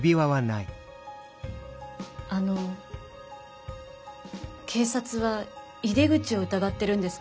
あの警察は井出口を疑ってるんですか？